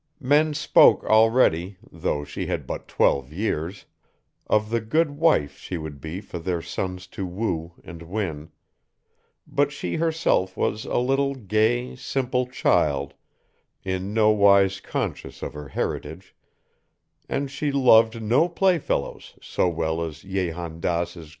Men spoke already, though she had but twelve years, of the good wife she would be for their sons to woo and win; but she herself was a little gay, simple child, in nowise conscious of her heritage, and she loved no playfellows so well as Jehan Daas's grandson and his dog.